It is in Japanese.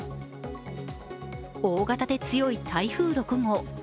大型で強い台風６号。